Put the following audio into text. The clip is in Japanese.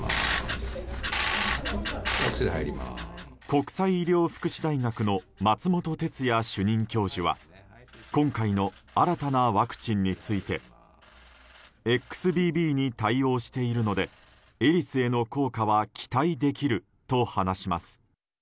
国際医療福祉大学の松本哲哉主任教授は今回の新たなワクチンについてＸＢＢに対応しているのでエリスへの効果は期待できると話します。